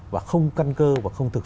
và không căn cơ và không